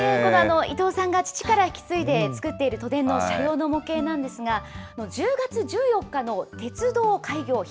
伊藤さんが父から引き継いで作っている都電の車両の模型なんですが、１０月１４日の鉄道開業